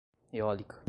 Eólica